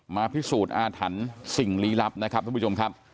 พิสูจน์อาถรรพ์สิ่งลี้ลับนะครับทุกผู้ชมครับ